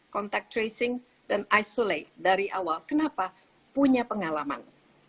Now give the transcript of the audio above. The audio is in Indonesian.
contact tracing dan isolate dari awal kenapa punya pengalaman